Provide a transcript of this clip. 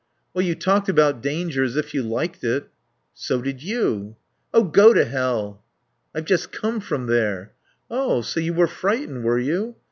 "Well, you talked about danger as if you liked it." "So did you." "Oh go to hell." "I've just come from there." "Oh so you were frightened, were you?"